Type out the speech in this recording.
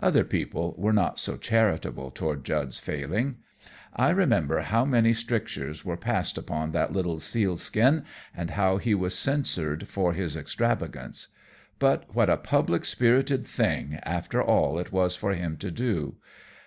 Other people were not so charitable toward Jud's failing. I remember how many strictures were passed upon that little sealskin and how he was censured for his extravagance. But what a public spirited thing, after all, it was for him to do!